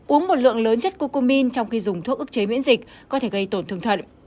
uống một lượng lớn chất cocomin trong khi dùng thuốc ức chế miễn dịch có thể gây tổn thương thận